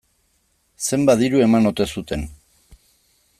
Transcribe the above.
Zenbat diru eman ote zuten?